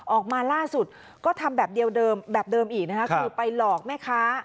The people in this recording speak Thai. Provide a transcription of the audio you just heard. ออกมาล่าสุดก็ทำแบบเดียวเดิมแบบเดิมอีกนะคะคือไปหลอกแม่ค้า